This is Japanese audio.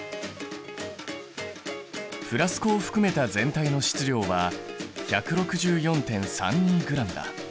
フラスコを含めた全体の質量は１６４．３２ｇだ。